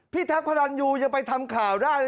แท็กพระรันยูยังไปทำข่าวได้เลย